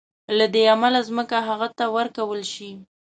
له دې امله ځمکه هغه ته ورکول شي.